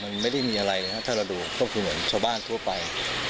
มันไม่ได้มีอะไรนะครับถ้าเราดูก็คือเหมือนชาวบ้านทั่วไป